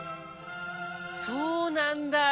そうなんだ！